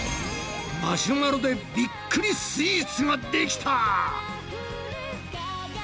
マシュマロでびっくりスイーツができた！